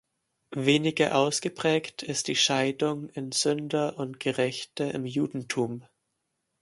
Weniger ausgeprägt ist die Scheidung in „Sünder“ und „Gerechte“ im Judentum.